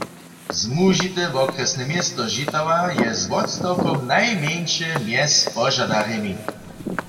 Zmužite wokrjesne město Žitawa je z wotstawkom najmjeńše mjez požadarjemi.